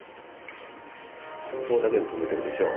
ここだけで止めてるでしょ？